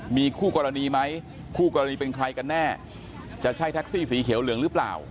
มีคู่กรณีไหมคู่กรณีเป็นใครกันแน่จะใช่แท็กซี่สีเขียวเหลืองหรือเปล่า